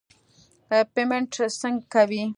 پیمنټ څنګه کوې.